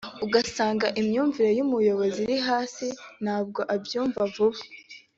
ugasanga imyumvire y’umuyobozi iri hasi ntabwo abyumva vuba